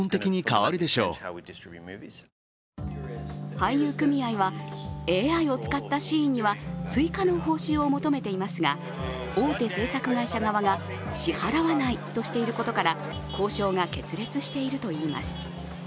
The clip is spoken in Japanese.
俳優組合はＡＩを使ったシーンには追加の報酬を求めていますが、大手制作会社側が支払わないとしていることから、交渉が決裂しているといいます。